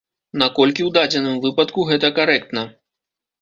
Наколькі ў дадзеным выпадку гэта карэктна?